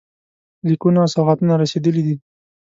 لیکونه او سوغاتونه رسېدلي دي.